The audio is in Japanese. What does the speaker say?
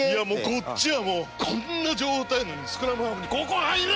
こっちはもうこんな状態なのにスクラムハーフに「ここ入れ！」